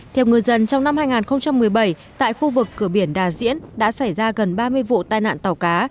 theo ngư dân trong năm hai nghìn một mươi bảy tại khu vực cửa biển đà diễn đã xảy ra gần ba mươi vụ tai nạn tàu cá